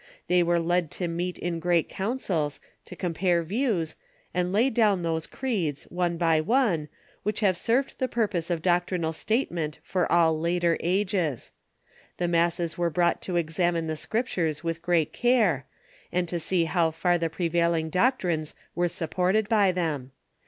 They Avere led to meet in great councils, to compare views, and lay down those creeds, one by one, which have served the purpose of doctrinal statement for all later ages. The masses were brought to examine the Scriptures with great care, and to see how far the prevailing doctrines were supported by them.